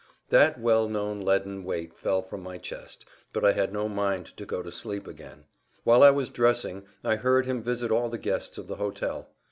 That well known leaden weight fell from my chest, but I had no mind to go to sleep again. Whilst I was dressing I heard him visit all the guests of the hotel.